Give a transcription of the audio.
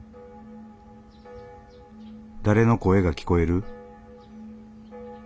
誰の声が聞こえる？